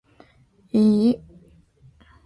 玩恐怖游戏笑得最开心的一位